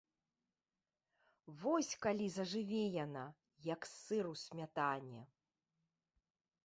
Вось калі зажыве яна, як сыр у смятане!